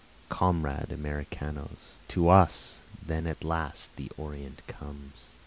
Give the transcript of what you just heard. Comrade Americanos! to us, then at last the Orient comes.